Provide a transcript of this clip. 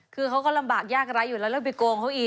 คือเขาก็ลำบากยากไร้อยู่แล้วแล้วไปโกงเขาอีก